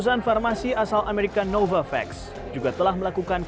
sampai nanti mungkin bisa men electoral program dari biontech